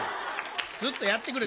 すっとやってくれ。